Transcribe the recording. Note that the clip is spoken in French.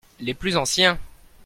Les plus anciens.